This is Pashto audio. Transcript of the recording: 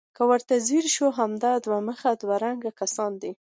که ورته ځیر شو همدغه دوه مخي دوه رنګه کسان دي.